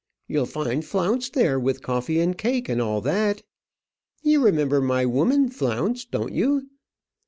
You'll find Flounce there with coffee and cake and all that. You remember my woman, Flounce, don't you?